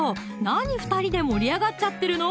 なに２人で盛り上がっちゃってるの？